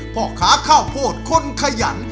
พ่อค้าข้าวโพดคนขยัน